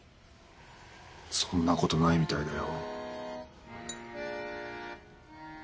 そんなことないみたいだよ。